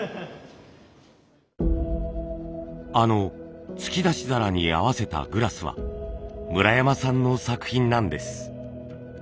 あの突き出し皿にあわせたグラスは村山さんの作品なんです。